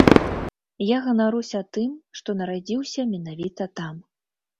Я ганаруся тым, што нарадзіўся менавіта там.